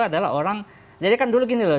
adalah orang jadi kan dulu gini loh